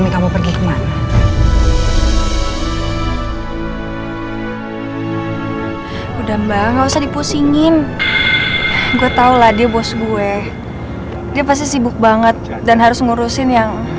kamu kan personal asistannya